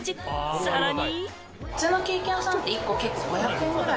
さらに。